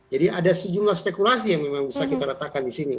jadi ada sejumlah spekulasi yang memang bisa kita ratakan di sini